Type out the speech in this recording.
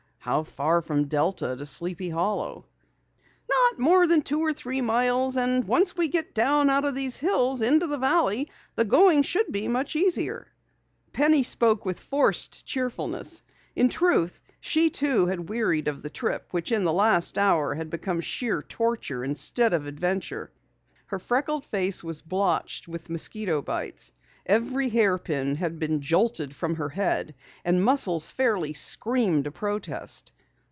"How far from Delta to Sleepy Hollow?" "Not more than two or three miles. And once we get down out of these hills into the valley, the going should be much easier." Penny spoke with forced cheerfulness. In truth, she too had wearied of the trip which in the last hour had become sheer torture instead of adventure. Her freckled face was blotched with mosquito bites. Every hairpin had been jolted from her head and muscles fairly screamed a protest.